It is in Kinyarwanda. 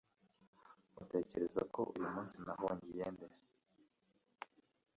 Utekereza ko uyu munsi nahungiye nde?